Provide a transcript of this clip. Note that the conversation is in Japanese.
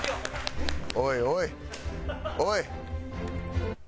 おいおいおい！